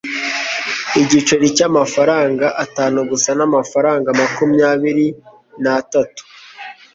igiceri cy'amafaranga atanu gusa n'amafaranga makumyabiri na atatu